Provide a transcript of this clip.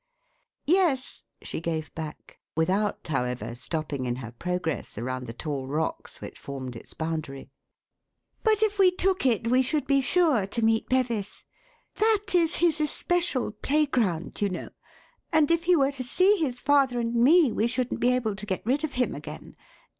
"Yes," she gave back, without, however, stopping in her progress around the tall rocks which formed its boundary. "But if we took it we should be sure to meet Bevis. That is his especial playground, you know, and if he were to see his father and me we shouldn't be able to get rid of him again.